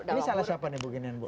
ini salah siapa nih bukannya bu